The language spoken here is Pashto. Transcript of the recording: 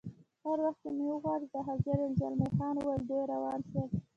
هر وخت چې مې وغواړې زه حاضر یم، زلمی خان وویل: دوی روان شول.